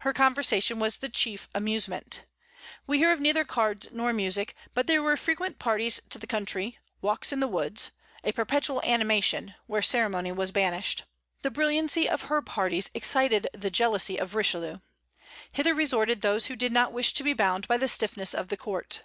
Her conversation was the chief amusement. We hear of neither cards nor music; but there were frequent parties to the country, walks in the woods, a perpetual animation, where ceremony was banished. The brilliancy of her parties excited the jealousy of Richelieu. Hither resorted those who did not wish to be bound by the stiffness of the court.